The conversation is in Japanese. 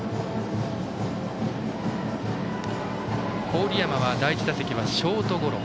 郡山は第１打席はショートゴロ。